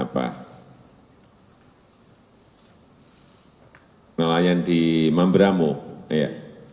penelayan di mambramu ya